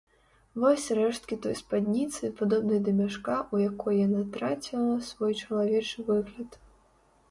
Вось рэшткі той спадніцы, падобнай да мяшка, у якой яна траціла свой чалавечы выгляд.